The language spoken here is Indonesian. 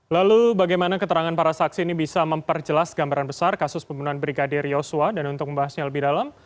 lalu bagaimana keterangan para saksi ini bisa memperjelas gambaran besar kasus pembunuhan brigadir yosua dan untuk membahasnya lebih dalam